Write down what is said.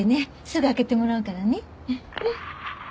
すぐ開けてもらうからね。